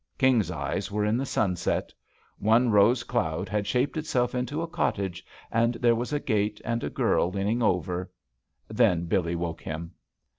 King's eyes were in the sunset. One rose cloud had shaped itself into a cottage and there was a gate and a girl leaning over — ^thcn Billee woke him.